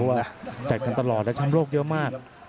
เพราะว่าจัดกันตลอดและช่างโลกเยอะมาก